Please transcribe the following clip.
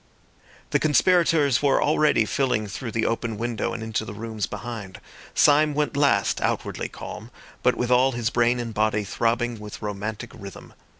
The conspirators were already filing through the open window and into the rooms behind. Syme went last, outwardly calm, but with all his brain and body throbbing with romantic rhythm.